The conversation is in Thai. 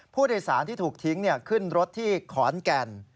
ผู้โดยสารที่ถูกทิ้งขึ้นรถที่ขอนแก่น